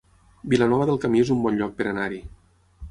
Vilanova del Camí es un bon lloc per anar-hi